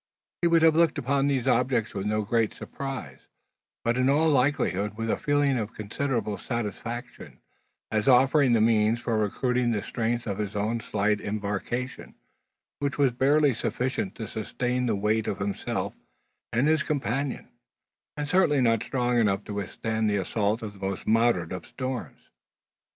He would have looked upon these objects with no very great surprise, but in all likelihood with a feeling of considerable satisfaction: as offering the means for recruiting the strength of his own slight embarkation, which was barely sufficient to sustain the weight of himself and his companion, and certainly not strong enough to withstand the assault of the most moderate of storms.